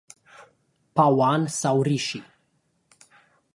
Pawan sau Rishi?